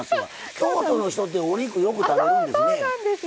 京都の人ってお肉よく食べるんですね。